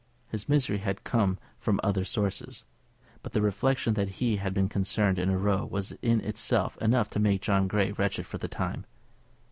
His misery had come from other sources. But the reflection that he had been concerned in a row was in itself enough to make John Grey wretched for the time.